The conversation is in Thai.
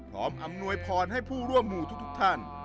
พร้อมอำนวยพรให้ผู้ร่วมมูลทุกท่าน